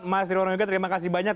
mas nirono juga terima kasih banyak